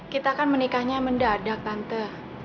kita kan menikahnya mendadak tante